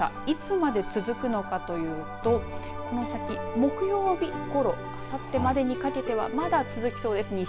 いつまで続くのかというとこの先、木曜日ごろあさってまでにかけてはまだ続きそうです。